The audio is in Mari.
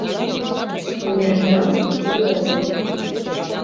Тумер ял кугу огыл.